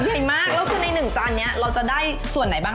ใหญ่มากแล้วคือในหนึ่งจานนี้เราจะได้ส่วนไหนบ้าง